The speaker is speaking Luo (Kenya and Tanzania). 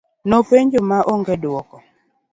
Nopenjo ma ong'e duoko.